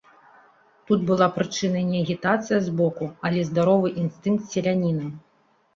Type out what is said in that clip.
Тут была прычынай не агітацыя збоку, але здаровы інстынкт селяніна.